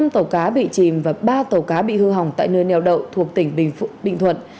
năm tàu cá bị chìm và ba tàu cá bị hư hỏng tại nơi neo đậu thuộc tỉnh bình thuận